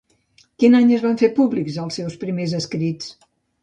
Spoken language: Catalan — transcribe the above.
Quin any es van fer públics els seus primers escrits?